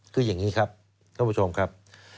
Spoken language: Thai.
คืออย่างนี้ครับท่านผู้ชมครับ